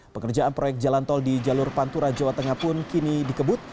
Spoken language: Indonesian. pengerjaan proyek jalan tol di jalur pantura jawa tengah pun kini dikebut